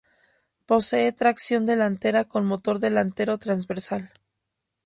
Posee tracción delantera con motor delantero transversal.